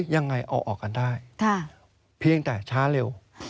ยังไงเอาออกกันได้เพียงแต่ช้าเร็ว